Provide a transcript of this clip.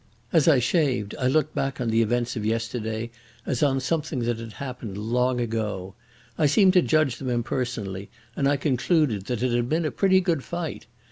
As I shaved I looked back on the events of yesterday as on something that had happened long ago. I seemed to judge them impersonally, and I concluded that it had been a pretty good fight.